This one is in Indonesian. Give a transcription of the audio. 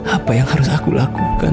apa yang harus aku lakukan